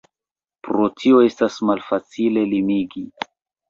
Pro tio estas malfacile limigi.